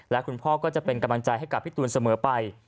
และคุณพ่อก็จะเป็นกำลังใจให้กับพี่ตูนเสมอไป